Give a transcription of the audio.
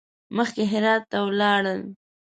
مخکې هرات ته ولاړل.